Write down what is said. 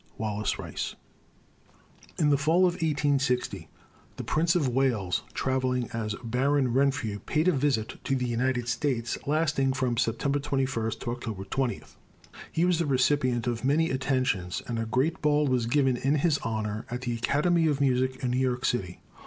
WALLACE RICE. In the fall of 1860 the Prince of Wales, travelling as Baron Renfrew, paid a visit to the United States, lasting from September 21 to October 20. He was the recipient of many attentions, and a great ball was given in his honor at the Academy of Music in New York city.